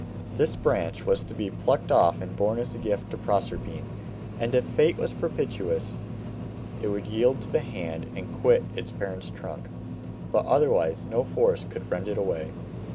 This branch was to be plucked off and borne as a gift to Proserpine, and if fate was propitious it would yield to the hand and quit its parent trunk, but otherwise no force could rend it away.